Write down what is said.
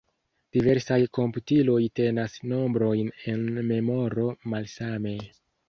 Diversaj komputiloj tenas nombrojn en memoro malsame.